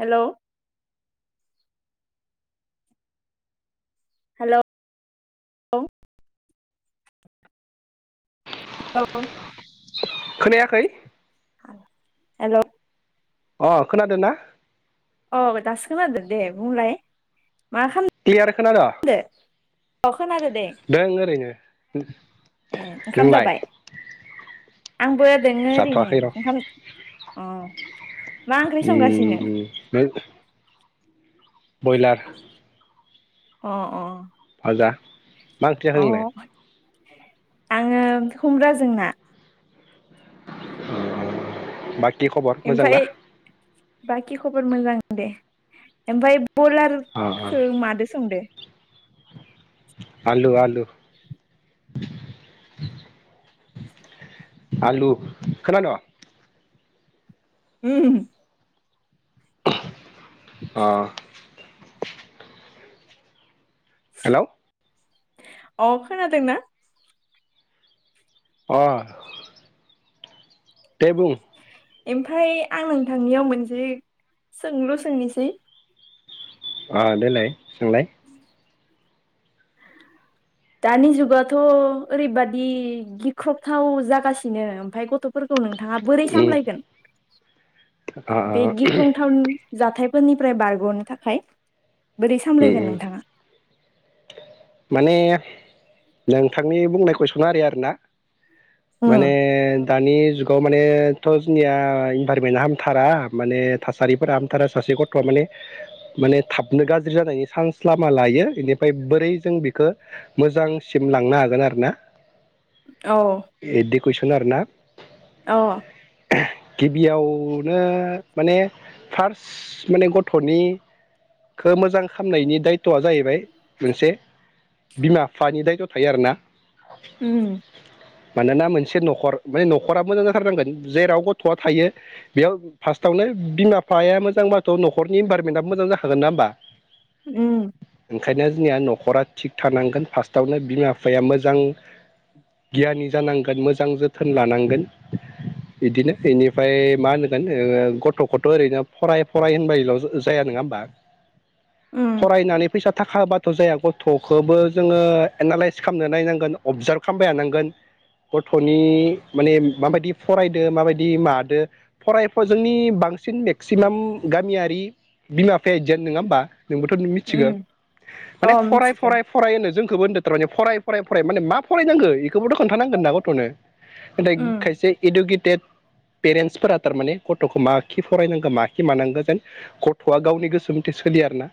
Hello. Hello औ खोनायाखै hello अ खोनादों ना औ दासो खोनादों दे बुंलाय मा क्लियार खोनादों खाम''दों आं खोनादों दे । दों ओरैनो ए ओंखाम नोंलाय जाबाय आंबो नोंगो नोंगो जाथ'वाखै र' अख''' अ मा ओंख्रि संगासिनो? नों बयलार। अ अ जा मा ओंख्रि नोंलाय? अ आङो खुमब्राजों ना। बाखि खबर मोजां ना? ओमफ्राय बाखि खबर मोजां दे। ओमफ्राय अ अ बयलारखौ मादो संदो? आलु आलु आलु खोनाद? ओम अ हेल'! अ खोनादोंना? अ दे बुं ओमफाय आं नोंथांनियाव मोनसे सोंलु सोंनोसै अ देलाय सोंलाय [inaudible] दानि जुगाथ' ओरैबादि गिख्रबथाव जागासिनो ओमफ्राय गथ'फोरखौ नों नोंथाङा बोरै उम सामलागोन अ बे गिख्रंथाव जाथाय फोरनिफ्राय बारग'नो थाखाय बोरै उम सामलायगोन उम नोंथाङा? माने नोंथांनि बुंनाय कुइसना ओरै आरोना माने उम दानि जुगाव मानेथ' जोंनिया इनभाइरमेन्टआ हामथारा माने थासारिफोरा हामथारा सासे गथ'आ माने माने थाबनो गाज्रि जानायनि चान्स लामा लायो, बेनिफ्राय बोरै जों बेखौ मोजांसिम लांनो हागोन आरोना औ बिदि कुइसन आरोना औ गिबियाव नो माने फार्स्ट माने गथ'नि खो मोजां खालामामनायनि दायथ'आ जाहैबाय मोनसे, बिमा-बिफानि दायथ' थायो आरोना। उम मानोना मोनसे न'खर माने न'खरा मोजां जाथारनांगोन, जेराव गथ'आ थायो बेयाव फार्स्टआवनो बिमा-बिफाया मोजांबाथ' नख उम ओंखायनो जोंनिया न'खरा थिग थानांगोन फार्स्टआवनो बिमा-बिफाया मोजां गियानि जानांगोन, मोजां जोथोन लानांगोन। बिदिनो बेनिफ्राय मा होनगोन ओ गथ'खौथ' ओरैनो फराय फराय होनबायल' जायानो नङा होमबा? उम फरायनानै फैसा थाखा होबाथ' जाया गथ' खौबो जोङो एनालइस खालामना नायनांगोन, अबजार्भ खालामबाय थानांगोन, गथ'नि माने माबायदि फरायदो माबायदि मादो फरायफ जोंनि बा बांसिन मेक्सिमाम गामियारि बिमा बिफाया बिदियानो नङा होमबा? नोंबोथ' मिथिगौ उम माने अ फराय मिथिगौ फराय फराय होनो जों खोबो होनदों थारमाने फराय फराय फराय माने मा फरायनांगौ बेखौबोथ' खोन्थानांगोन ना गथ'नो नाथाय उम खायसे इडुकेटेड पेरेन्टसफोरा थारमाने गथ'खौ माखि फरायनांगौ, माखि मानांगौ जेन गथ'आ गावनि गोसो मथे सो लिया आरो ना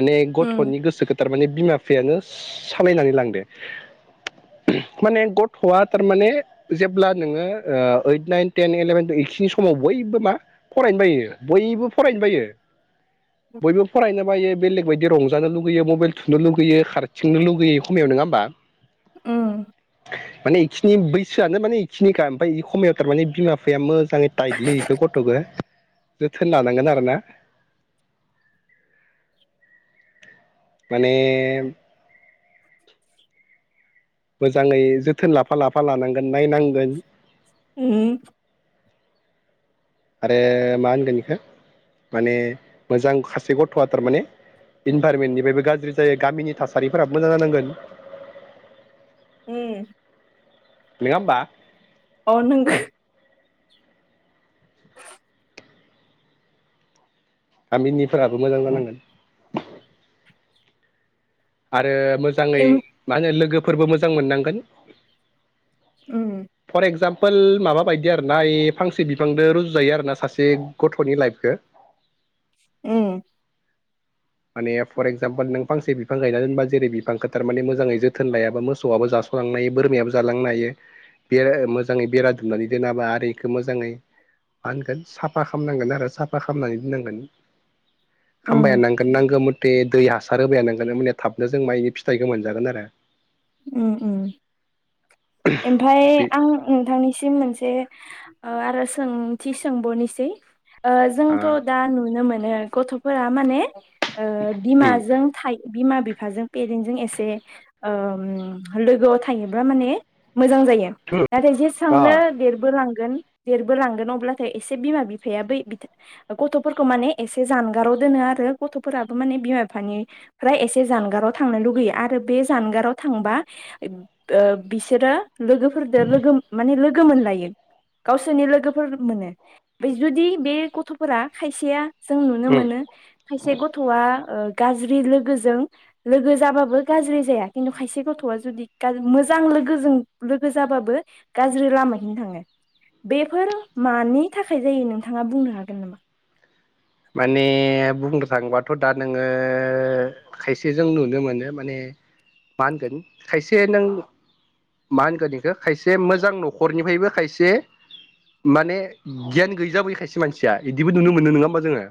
माने उम गथ'नि गोसोखौ थारमाने बिमा बिफायानो सालायनानै लांदो माने गथ'आ थारमाने जेब्ला नोङो ओ ओइट, नाइन, टेन, इलेभेन, खिनि समाव बयबो मा फरायनोबायो बयबो फरायनोबायो। [inaudible] बयबो फरायनो बायो बेलेग बायदि रंजानो लुुबैयो मबाइल थुनो लुगैयो खारथिंनो लुगैयो खायाव नङा होमबा। ओम माने इखिनि बैसोआनो माने इखिनिखा ओमफ्राय इ समायाव थारमाने बिमा बिफाया मोजाङै टाइदलिखौ गथ' जोथोन लानांगोन आरोना। [inaudible] माने मोजाङै जोथोन लाफा लाफा लानांगोन। नायनांगोन । उम आरो मा होनगोन बेखौ माने मोजां सासे गथ'आ थारमाने। इनभाररमेन्टनिफ्रायबो गाज्रि जायो गामिनि थासारिफोरा मोजां जानांगोन। ओम नङाहोमबा अ नंगौ गामिनिफोराबो मोजां जानांगोन। आरो मोजाङै उम मा होनो लोगोफोरबो मोजां मोननांगोन। ओम ओ माबा बायदि आरोना फांसे बिफांजों रुजुजायो आरोना सासे गथ'नि लाइफखौ। ओम माने फर एक्जामपोल नों फांसे बि [unintelligible] बिफां गायना दोनबा जेरै बिफांखौ थारमाने मोजाङै जोथोन लायाबा मोसौआबो जास'लांनो हायो बोरमायाबो जालांनो हायो। बे मोजाङै बेरा दुमनानै दोनाबा आरो बेखौ मोजाङै मा होनगोन साफा खालामनांगोन आरो साफा खालामनानै दोननांगोन। हामबाय उम नांगोन नांगौ मथे दै हासार होबाय नांगोन। म थाबनो जों म फिथाइखौ मोनजागोन आरो [unintelligible] ओम ओम ओमफाय बे आं नोंथांनिसिम मोनसे आर'ज सोंथि सोंबावनोसै आ जोंथ' दा नुनो मोन गथ'फोरा माने उम बिमाजों थायो। बिमा बिफाजों पेरेन्टजों एसे लोगोआव थायोब्ला माने। मोजां जायो नाथाय अ जेसांनो देरबोलां देरबोलांगोन अब्लाथाय एसे बिमा बिफाया बै गथ'फोरखौ माने एसे जानगाराव दोनो आरो गथ'फोराबो माने बिमा बिफानिफ्राय एसे जानगाराव थांनो लुुबैयो आरो बे जानगाराव थांबा ओ बिसोरो लोगोफोरजों लोगो माने लोगो मोनलायो गावसोरनि लोगोफोर मोनो बे जुदि बे गथ'फोरा खायसेया जों नुनो उम मोनो खायसे गथ'आ गाज्रि लोगोजों लोगो जाबाबो गाज्रि जाया। खिन्थु खायसे गथ'आ जुदि मोजां लोगोजों लोगो जाबाबो गाज्रि लामााहैनो थाङो। बेफोर मानि थाखाय जायो नोंथाङा बुंनो हागोन नामा? माने बुंफ्रांबाथ' दा नोंङो खायसेजों नुनो मोनो माने मा होनगोन खायसे नों मा होनगोन इखौ खायसे मोजां न'खरनिफ्रायबो खायसे माने गियान गैजाबोयो खायसे मानसिया बिदिबो नुनो मोनो नोंङा होमबा जोंङो।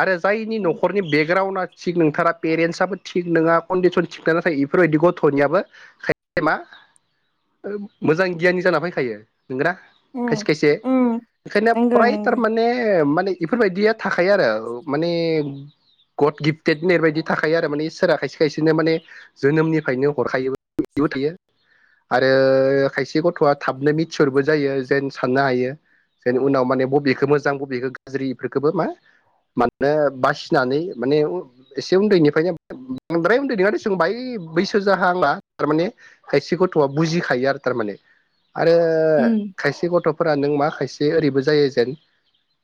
आरो जायनि न'खरनि बेकराउना थिग नोंथारा पेरेन्टसाबबो थिग नोंङा कन्डिसन थिग ना थायो बेफोरबायदि गथ'नियाबोय खाय से मा मोजां ओ गियानि जाना फैखायो। नोंगोना उम खायसे खायसे उम ओंखायनो नंगौ फ्राय नंगौ थारमाने माने इफोरबायदिया थाखाय आरो ओ माने गड गिफ्टेड होननायबायदि थाखायो आरो माने इसोरा खायसे खायसेनो माने जोनोमनिफ्रायनो हरखायोबो दिउ थयो आरो खायसे गथ'आ थाबनो मिथिहरबो जायो जेन साननो हायो जायनि उनाव माने बबेखो मोजां बबेखो गाज्रि बेफोरखोबो मा मानो बासिनानै माने एसे उन्दैनिफ्रायनो बांद्राय उन्दै नंङा दिसुं बांङाइ बैसो जाहांङा थारमाने खायसे गथ'आ बुजिखायो आरो थारमाने आरो उम खायसे गथ'फोरा नों मा खायसे ओरैबो जायो जेन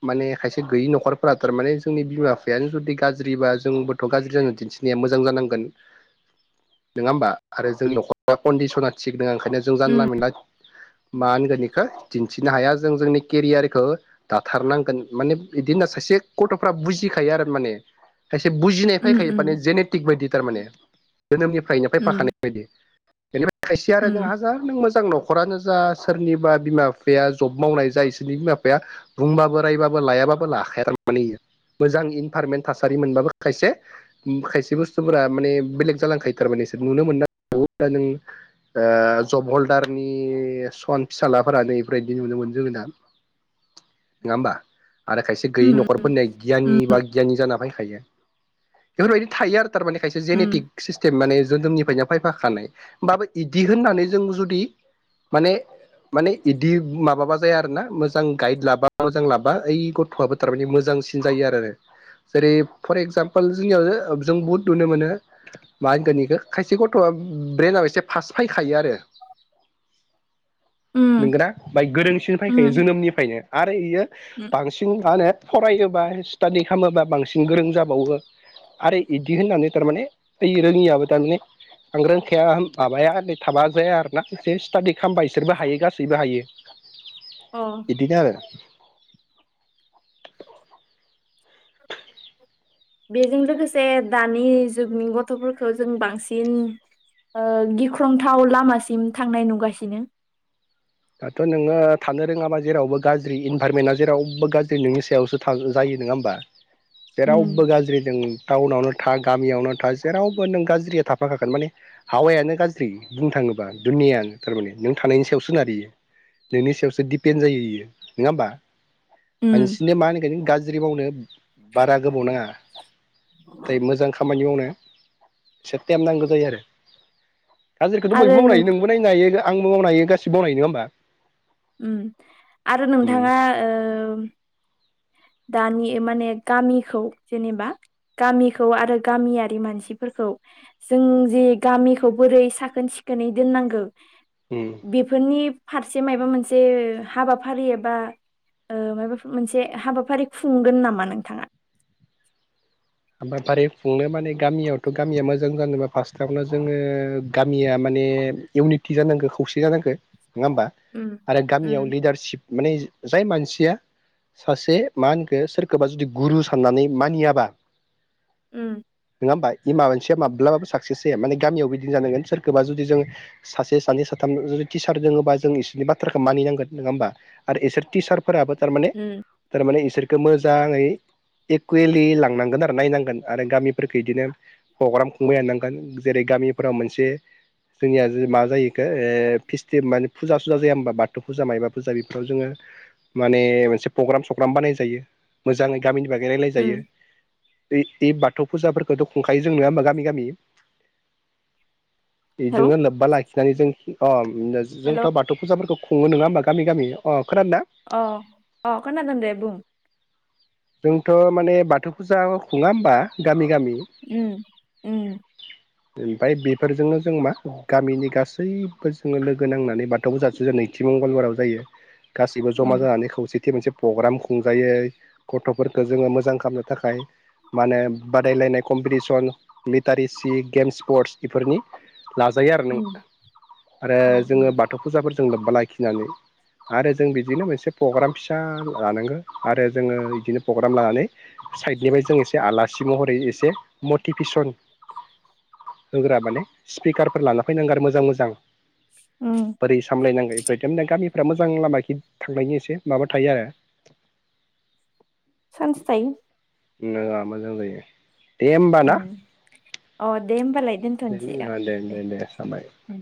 माने खायसे गैयि न'खरफोरा थारमाने जोंनि बिमा बिफायानो जुदि गाज्रिबा जोंबोथ' गाज्रि जानो दिनथि थिनाया मोजां जानांगोन नोंङा होमबा? आरो जोंनि न'खरा कन्दिसना थिग नोंङा ओंखायनो जों जानला उम मोनानला मा होनगोन बेखौ दिन्थिनो हाया जों जोंनि केरियारखौ दाथारनांगोन माने बिदिनो स थिग गथ'फ्रा बुजिखायो आरो माने खायसे बुजिनाय फैखायो माने जेनेटिक बायदि थारमाने जोनोमनिफ्रायनो उम फैफाखानाय बायदि बेनिफ्राय खायसेया आरो नों उम हाजार नों मोजां न' न'खरानो जा सोरनिबा बिमा बिफाया जब मावनाय जा इसोरनि बिमा बिफाया बुंबाबो रायबाबो लायाब बाबो लाखाया आरो थारमाने इयो मोजां इनभारमेन्ट थासारि मोनबाबो खायसे उम खायसे बुस्थुफोरा माने बेलेग जालांखायो थारमाने नुनो मोन दा नो जब हल्दारनि सान फिसालाफोरानोै बेफोरबायदि नुनो मोनमोन जोङो दा [unintelligible] [unintelligible] नोंङा होमबा आरो खायसे गैयि नख'रफोरनिया गियानि बा गियानि जाना फैखायो बेफोरबायदि थायो आरो थारमाने खायसे उम जेनेटिक सिस्टेम माने जोनोमनिफ्रायनो फायफाखानाय होमबाबो बिदि होननानै जों जुदि माने माने इदि माबाबा जाया आरोना मोजां गाइड लाबा मोजां लाबा ओइ गथ'आबो थारमानानि मोजां मोजांसिन जायो आरो जेरै फर एक्जामपोल जोंनियाव जों बुहुट नुनो मोनो मा होनगोनिखौ खायसे गथ' थ'आ ब्रेनाबो एसे फास्ट फैखायो आरो उम नोंगोना बाय गोरोंसिन फैखायो उम जोनोमनिफ्रायनो आरो इयो उम बांसिन मा होनो फरायो बा स्टाडि खालामोबा बांसिन गोरों जाबावो आरो इदि होननानै थारमाने ओइ रोंङियाबो थारमाने आं रोंखाया माबाया थाबा जाया आरोना एसे स्टाडि खालामबा इसोरबो हायो गासैबो हायो। अ इदिनो आरो [unintelligible] बेजों लोगोसे दानि जुगनि गथ'फोरखौ जों बांसिन ओ गिख्रंथाव लामासिम थांनाय नुगासिनो दाथ' नोंङो थानो रोंङाबा जेरावबो गाज्रि इनभाररमेन्टआ जेरावबो गाज्रि नोंनि सायावसो जायो नोंङा होमबा उम जेरावबो गाज्रि दों टाउनावनो था गामियावनो था जेरावबो नों गाज्रिया थाफाखागोन माने हावायानो गाज्रि बुंनो थांङोबा नियानो थारमाने नों थानायनि सायावसो सोनारो इयो नोंनि सायावसो दिपेन्ड जायो इयो नङा होमबा? मानसिनि मा होनगोन गाज्रि मावनो बारा गोबाव नाङा। नाथाय मोजां खामानि मावनो एसे टाइम नांगौ जायो आरो। गाज्रिखौथ' आरो बयबो मावनो नों नोंबो नायनो हायो आंबो मावनोहायो गासिबो मावनो नङा होनबा? उम आरो उम नोंथाङा ओम दानि माने गामिखौ जेनेबा गामिखौ आरो गामियारि मानसिफोरखौ जों जि गामिखौ बोरै साखोन सिखोनै दोननांगौ उम बेफोरनि फारसे माबा मोनसे हाबाफारि एबा ओ माबाफोर मोनसे हाबाफारि खुंगोन नामा नोंथाङा? फारै खुंनो माने गामियावथ' गामिया मोजां जानोबा फार्स्टआवनो जोङो गामिया माने इउनिटि जानांगौ खौसे जानांगो नङा होमबा उम आरो उम गामियाव लिडारसिभ माने जाय मानसिया सासे मा होनखो सोरखौबा जुदि गुरु साननानै मानियाबा उम। नङा होनबा ए मा मानसिया माब्लाबाबो साक्सेस जाया माने गामियाव बिदिनो जानांगोन सोरखौबा जुदि जों सासे, सानै, साथाम जुदि टिसार दोङोबा जों इसोरनि बाथ्राखौ मानिनांगोन नङा होमब्ला आरो इसोर टिसार फोराबो थारमाने उम थारमाने इसोरखौ मोजाङै एकुवेलि लांनांगोन दा नायनांगोन आरो गामिफोरखौ इदिनो प्र'ग्राम खुंबाय थानांगोन जेरै गामिफोराव मोनसे जोंनिया जो मा जायो एखो ओ फेस्टिभ माने फुजा-सुजा जाया होमबा बाथौ फुजा मायबा फुजा बेफोराव जोङो माने मोनसे प्रग्राम-सग्राम बानाय जायो मोजाङै गामिनि बागै रायलाय उम जायो । ऐ ऐ बाथौ फुजाफोरखौथ' खुंखायो जों नङा होमबा गामि गामि? हेलौ बेजोंनो लोब्बा लाखिनानै जों अ हेलौ जोंथ' बाथौ फुजाफोरखौ खुङो नङा होमबा गामि गामि अ खोनादों ना अ अ खोनादों दे बुं जोंथ' माने बाथौ फुजा खुङा होमबा गामि गामि उम उम। ओमफ्राय बेफोरजोंनो जों मा गामिनि गासैबो जोङो लोगो नांनानै बाथौ गोजा सुजान होयो। काथि मंगलबाराव जायो गासैबो जमा उम जानानै खौसेथि मोनसे प्र'ग्राम खुंजायो। गथ'फोरखौ जोङो मोजां खालामनो थाखाय मा होनो बादायलायनाय कम्पिटिसन, लिटारेसि, गेम्स स्पर्टस इफोरनि लाजायो आरो नों उम आरो जोङो उम बाथौ फुजाफोरजों लोब्बा लाखिनानै। आरो जों बिदिनो मोनसे प्रग्राम फिसा लानांगौ आरो जोङो बिदिनो प्र'ग्राम लानानै साइडनिफ्राय जों एसे आलासि महरै एसे मटिभेसन [inaudible] होग्रा माने स्पिकारफोर लाना फैनांगौ आरो मोजां मोजां। उम बोरै सामलायनांगौ। [unintelligible] गामिफ्रा मोजां लामा थांनायनि एसे माबा थायो आरो। सानसथायो। नोआ मोजां जायो दे होमबा ना उम अ दे होमबालाय । दोनथ'नोसै दे दे थाबाय। उम